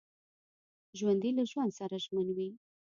ژوندي له ژوند سره ژمن وي